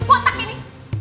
kamu yang botak ini